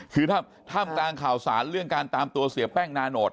คือท่ามกลางข่าวสารเรื่องการตามตัวเสียแป้งนาโนต